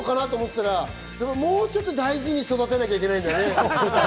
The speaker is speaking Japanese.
もうちょっと大事に育てなきゃいけないんだね。